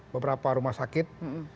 beberapa rumah sakit